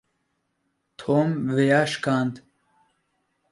Tom vêya şikand.